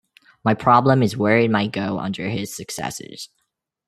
My problem is where it might go under his successors...